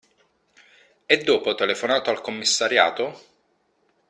E dopo telefonato al commissariato?